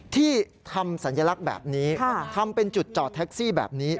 ที่ทำสัญลักษณ์แบบนี้ทำเป็นจุดจอดแท็กซี่แบบนี้